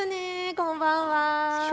こんばんは。